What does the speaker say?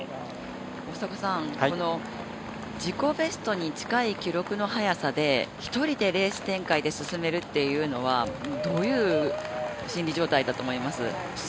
大迫さん、この自己ベストに近い記録の中で一人でレース展開で進めるというのはどういう心理状態だと思います？